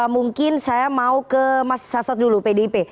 mungkin saya mau ke mas sasot dulu pdip